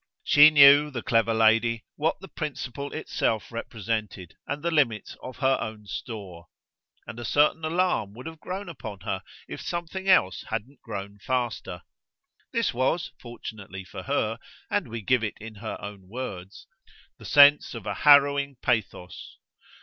She knew, the clever lady, what the principle itself represented, and the limits of her own store; and a certain alarm would have grown upon her if something else hadn't grown faster. This was, fortunately for her and we give it in her own words the sense of a harrowing pathos.